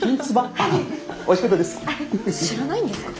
知らないんですか？